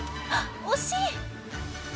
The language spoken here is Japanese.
惜しい！